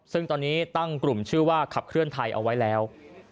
ซึ่งตอนนี้ตั้งกลุ่มชื่อว่าขับเคลื่อนไทยเอาไว้แล้ว